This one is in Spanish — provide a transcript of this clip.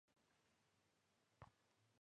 Su capital es la ciudad de Teramo.